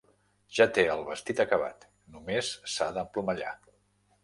Ja té el vestit acabat: només s'ha d'emplomallar.